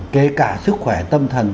kể cả sức khỏe tâm thần